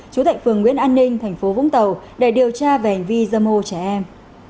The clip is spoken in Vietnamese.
chú tại phường nguyễn an ninh thành phố vũng tàu để điều tra về hành vi dâm ô trẻ em